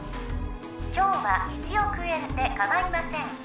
今日は１億円でかまいません